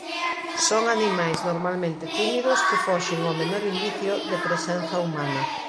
Son animais normalmente tímidos que foxen ó menor indicio de presenza humana.